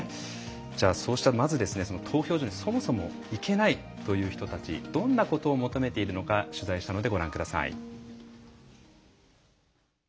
じゃあそうしたまず投票所にそもそも行けないという人たちどんなことを求めているのか取材したのでご覧ください。